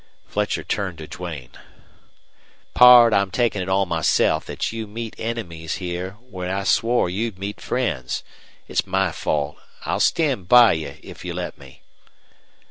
Fletcher turned to Duane. "Pard, I'm takin' it on myself thet you meet enemies here when I swore you'd meet friends. It's my fault. I'll stand by you if you let me."